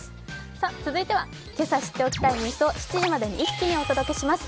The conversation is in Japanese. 続いてはけさ知っておきたいニュースを７時前に一気にお届けします